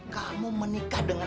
kamu menikah dengan